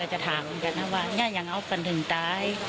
แม่ก็จะถามกับกันนะว่าเนี่ยอย่างน่าเอาปราร์ตถึงตาย